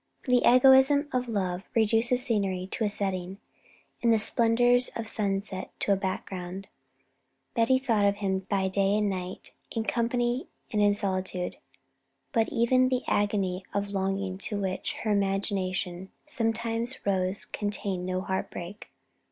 The egoism of love reduces scenery to a setting and the splendours of sunset to a background. Betty thought of him by day and by night, in company and in solitude, but even the agony of longing to which her imagination sometimes rose contained no heartbreak.